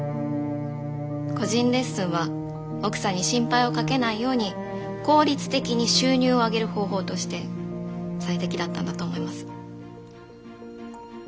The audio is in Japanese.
個人レッスンは奥さんに心配をかけないように効率的に収入を上げる方法として最適だったんだと思います。